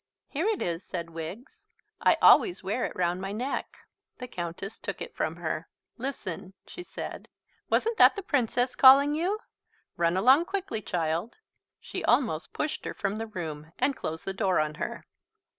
"Here it is," said Wiggs; "I always wear it round my neck." The Countess took it from her. "Listen," she said. "Wasn't that the Princess calling you? Run along, quickly, child." She almost pushed her from the room and closed the door on her.